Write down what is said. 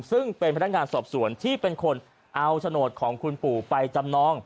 ซึ่งเป็นพนักงานสอบสวนที่เป็นคนเอาโฉนดของคุณปู่ไปจำนอง